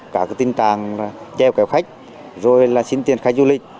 các tình trạng treo kéo khách rồi là xin tiền khách du lịch